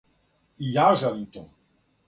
И ја желим то.